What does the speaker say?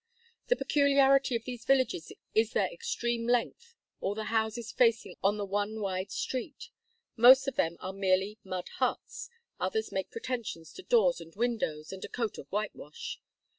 The peculiarity of these villages is their extreme length, all the houses facing on the one wide street. Most of them are merely mud huts, others make pretensions to doors and windows, and a coat of whitewash.